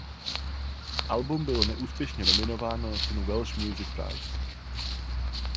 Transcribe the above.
Album bylo neúspěšně nominováno na cenu Welsh Music Prize.